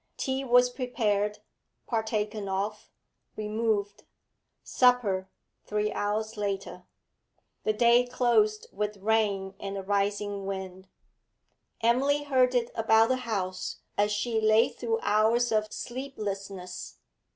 Tea was prepared, partaken of, removed; supper, three hours later. The day closed with rain and a rising wind. Emily heard it about the house as she lay through hours of sleeplessness.